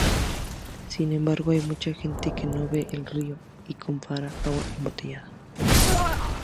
Sin embargo, hay mucha gente que no ve el río y compra agua embotellada.